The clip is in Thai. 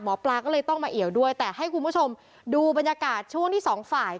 หมอปลาก็เลยต้องมาเอี่ยวด้วยแต่ให้คุณผู้ชมดูบรรยากาศช่วงที่สองฝ่าย